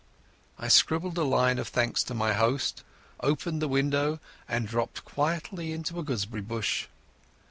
I scribbled a line of thanks to my host, opened the window, and dropped quietly into a gooseberry bush.